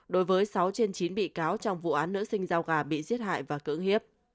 đối với sáu trên chín bị cáo trong vụ án nữ sinh rau gà bị giết hại và cưỡng hiếp